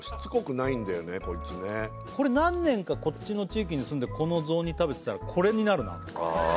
これ何年かこっちの地域に住んでこの雑煮食べてたらこれになるなああ